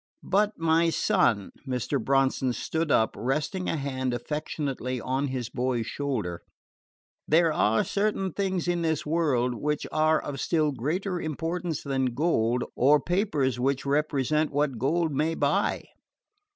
But, my son," Mr. Bronson stood up, resting a hand affectionately on his boy's shoulder, "there are certain things in this world which are of still greater importance than gold, or papers which represent what gold may buy.